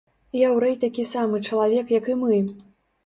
Яўрэй такі самы чалавек, як і мы.